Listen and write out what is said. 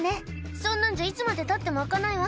「そんなんじゃいつまでたっても開かないわ」